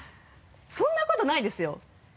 そんなことないですよ。